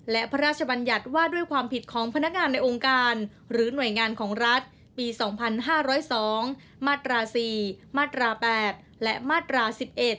และพระราชบัญญัติว่าด้วยความผิดของพนักงานในองค์การหรือหน่วยงานของรัฐปี๒๕๐๒มาตรา๔มาตรา๘และมาตรา๑๑